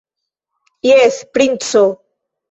Jes, princo!